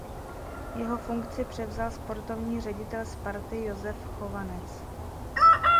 Jeho funkci převzal sportovní ředitel Sparty Jozef Chovanec.